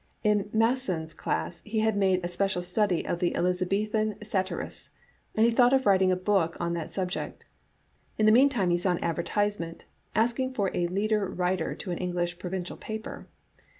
In Masson's class he had made a special study of the Elizabethan Satirists, and he thought of writing a book on that sub ject. In the mean time he saw an advertisement asking for a leader writer to an English provincial paper.